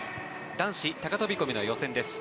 男子高飛込の予選です。